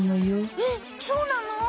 えっそうなの？